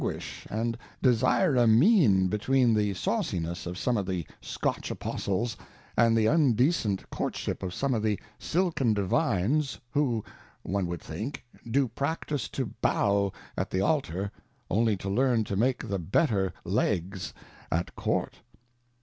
uish and desire a^Iean between thfi ^ sawcyness of some of the Scotch. Apostles, and the undecent Courtship of some of the Silken Divines,..who, one would think, do practice to bow at the Altar, only to learn to make, tbe better Legs at Court.